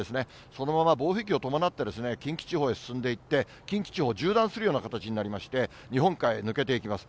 そのまま暴風域を伴って、近畿地方へ進んでいって、近畿地方、縦断するような形になりまして、日本海へ抜けていきます。